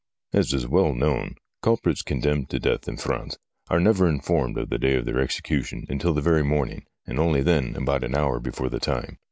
As is well known, culprits condemned to death in France are never informed of the day of their execution until the very morning, and only then about an hour before the time.